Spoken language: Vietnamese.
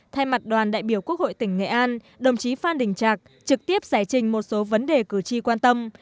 thay mặt đoàn đại biểu quốc hội tỉnh nghệ an đồng chí phan đình trạc trực tiếp giải trình một số vấn đề cử tri quan tâm